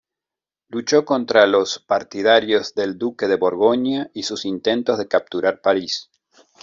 Luchó contra los partidarios del duque de Borgoña y sus intentos de capturar París.